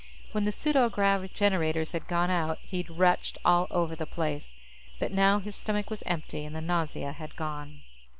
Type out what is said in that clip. When the pseudograv generators had gone out, he'd retched all over the place, but now his stomach was empty, and the nausea had gone.